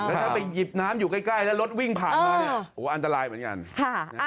แล้วถ้าไปหยิบน้ำอยู่ใกล้แล้วรถวิ่งผ่านมาเนี่ยโอ้อันตรายเหมือนกัน